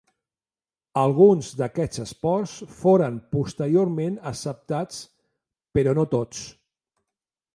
Alguns d'aquests esports foren posteriorment acceptats, però no tots.